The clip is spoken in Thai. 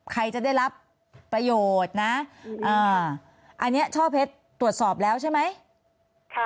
ใครจะได้รับประโยชน์นะอันนี้ช่อเพชรตรวจสอบแล้วใช่ไหม